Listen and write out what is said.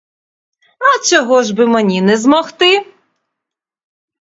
А чого ж би мені не змогти?